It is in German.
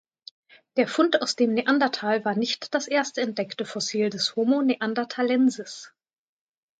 Der Fund aus dem Neandertal war nicht das erste entdeckte Fossil des "Homo neanderthalensis".